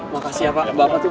makasih ya pak